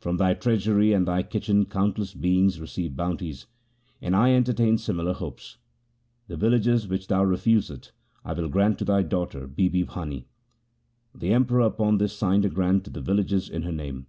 From thy treasury and thy kitchen countless beings receive bounties, and I entertain similar hopes. The villages which thou refusest I will grant to thy daughter Bibi Bhani.' The Emperor upon this signed a grant of the villages in her name.